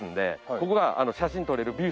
ここが？